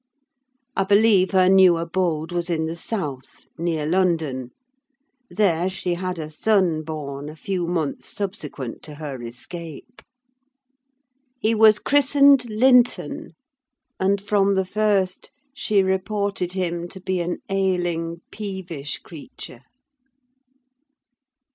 I believe her new abode was in the south, near London; there she had a son born a few months subsequent to her escape. He was christened Linton, and, from the first, she reported him to be an ailing, peevish creature.